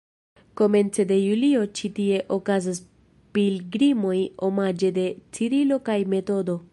Komence de julio ĉi tie okazas pilgrimoj omaĝe de Cirilo kaj Metodo.